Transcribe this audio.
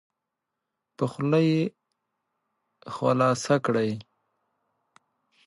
په خوله یې خلاصه کړئ.